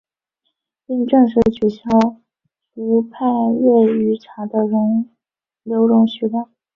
并且正式取消氟派瑞于茶的留容许量。